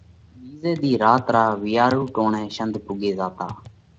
ٻِيزئہ ۮِي رات را وِيئاۯُو ٽوڻئہ شنڌ پُوڳي زاتا۔